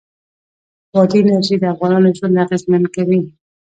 بادي انرژي د افغانانو ژوند اغېزمن کوي.